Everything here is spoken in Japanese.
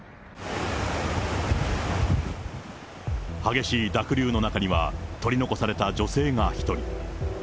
激しい濁流の中には、取り残された女性が１人。